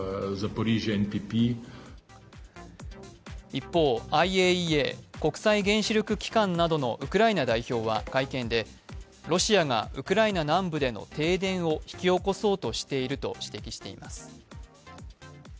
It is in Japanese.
一方、ＩＡＥＡ＝国際原子力機関などのウクライナ代表は会見でロシアがウクライナ南部での停電を引き起こそうとしていると指摘しています。